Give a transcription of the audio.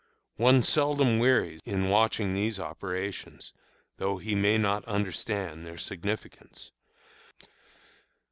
One seldom wearies in watching these operations, though he may not understand their significance.